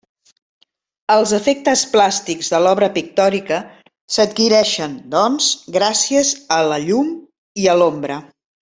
Els efectes plàstics de l'obra pictòrica s'adquireixen, doncs, gràcies a la llum i a l'ombra.